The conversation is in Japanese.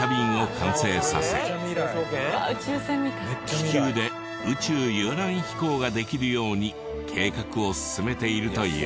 気球で宇宙遊覧飛行ができるように計画を進めているという。